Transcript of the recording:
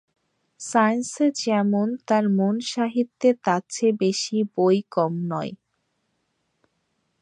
সায়ান্সে যেমন তার মন সাহিত্যে তার চেয়ে বেশি বৈ কম নয়।